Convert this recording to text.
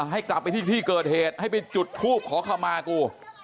ให้กลับไปที่เกิดเหตุให้ไปจุดภูมิขอขมากู